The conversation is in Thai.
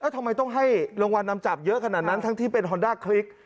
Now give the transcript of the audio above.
ทำไมต้องให้รางวัลนำจับเยอะขนาดนั้นทั้งที่เป็นฮอนด้าคลิก